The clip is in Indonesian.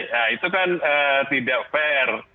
nah itu kan tidak fair